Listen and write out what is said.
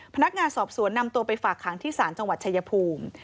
พนักงานสอบสวนนำตัวไปฝากขังที่ศาลจังหวัดชายภูมิ